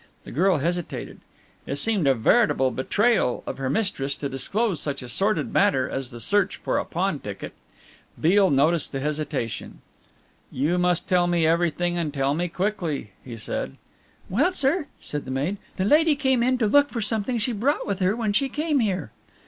The girl hesitated. It seemed a veritable betrayal of her mistress to disclose such a sordid matter as the search for a pawn ticket. Beale noticed the hesitation. "You must tell me everything, and tell me quickly," he said. "Well, sir," said the maid, "the lady came in to look for something she brought with her when she came here."